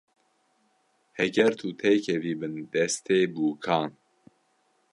Heger tu têkevî bin destê bûkan.